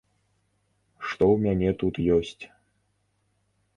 Што ў мяне тут ёсць?